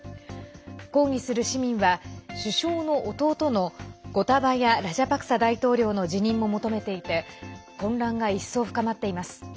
抗議する市民は首相の弟のゴタバヤ・ラジャパクサ大統領の辞任も求めていて混乱が一層深まっています。